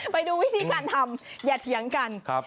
ไปดูวิธีการทำอย่าเถียงกัน